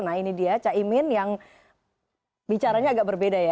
nah ini dia caimin yang bicaranya agak berbeda ya